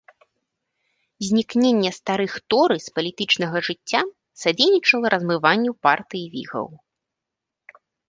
Знікненне старых торы з палітычнага жыцця садзейнічала размыванню партыі вігаў.